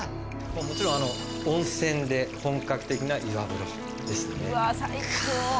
もちろん温泉で本格的な岩風呂ですね。